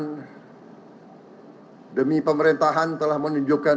dan demi pemerintahan telah menunjukkan